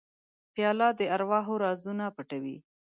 پیاله د ارواحو رازونه پټوي.